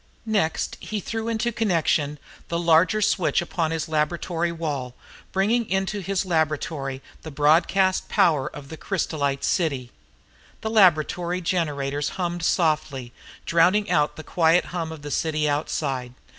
Next he threw into connection the larger switch upon his laboratory wall bringing into his laboratory the broadcast power of the crysolite city. The laboratory generators hummed softly, drowning out the quiet hum of the city outside.